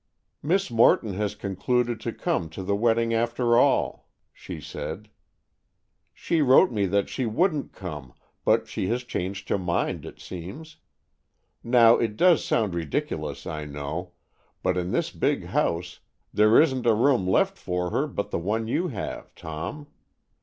"Miss Morton has concluded to come to the wedding, after all," she said. "She wrote me that she wouldn't come, but she has changed her mind, it seems. Now, it does sound ridiculous, I know, but in this big house there isn't a room left for her but the one you have, Tom.